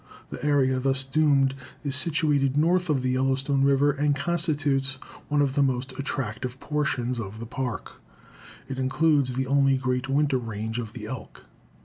The area thus doomed is situated north of the Yellowstone River, and constitutes one of the most attractive portions of the Park. It includes the only great winter range of the elk.